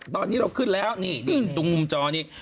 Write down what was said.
ตอนนี้เราขึ้นแล้วนี่ตรงมุมจอนี้